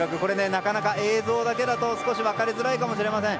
なかなか映像だけだと少し分かりづらいかもしれません。